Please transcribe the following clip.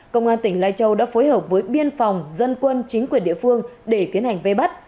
công an tỉnh lai châu đã phối hợp với biên phòng dân quân chính quyền địa phương để tiến hành vây bắt